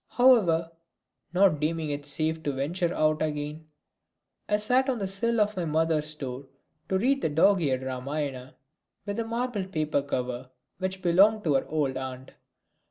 However, not deeming it safe to venture out again, I sat down on the sill of my mother's door to read the dog eared Ramayana, with a marbled paper cover, which belonged to her old aunt.